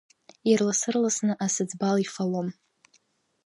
Ирлас-ырласны асыӡбал ифалон.